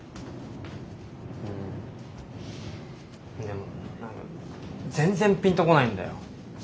うんでも全然ピンとこないんだよ。